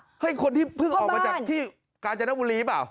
พ็อกาม้าแยกระโยคเหมือนกับพ่อบ้านเพิ่งออกมาจากที่กาญจนบุรีเปล่า